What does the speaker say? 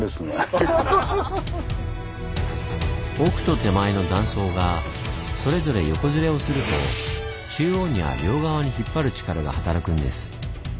奥と手前の断層がそれぞれ横ずれをすると中央には両側に引っ張る力が働くんです。